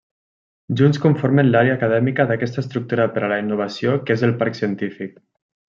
Junts conformen l’àrea acadèmica d’aquesta estructura per a la innovació que és el Parc Científic.